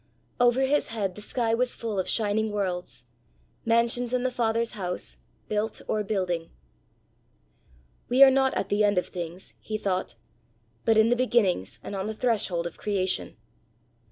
'" Over his head the sky was full of shining worlds mansions in the Father's house, built or building. "We are not at the end of things," he thought, "but in the beginnings and on the threshold of creation!